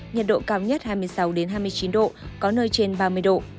nhiệt độ cao nhất hai mươi sáu hai mươi chín độ có nơi trên ba mươi độ